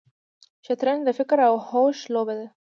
شطرنج د فکر او هوش لوبه ده.